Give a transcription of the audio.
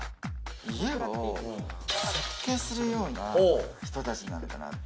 家を設計するような人たちなのかな？